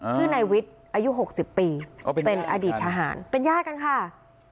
ชื่อนายวิทย์อายุ๖๐ปีก็เป็นอดีตทหารเป็นญาติกันค่ะ